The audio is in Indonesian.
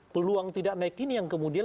peluang tidak naik ini yang kemudian